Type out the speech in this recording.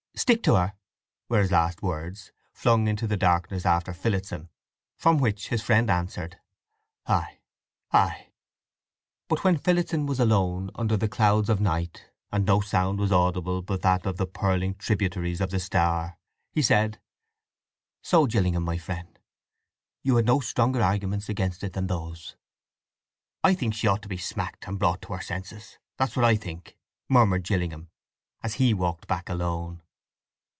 "Stick to her!" were his last words, flung into the darkness after Phillotson; from which his friend answered "Aye, aye!" But when Phillotson was alone under the clouds of night, and no sound was audible but that of the purling tributaries of the Stour, he said, "So Gillingham, my friend, you had no stronger arguments against it than those!" "I think she ought to be smacked, and brought to her senses—that's what I think!" murmured Gillingham, as he walked back alone.